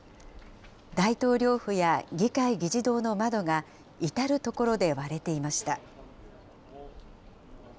大統領府や議会議事堂の窓が、至る所で割れていました。